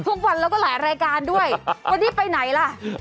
ทุกวันแล้วก็หลายรายการด้วยวันนี้ไปไหนล่ะ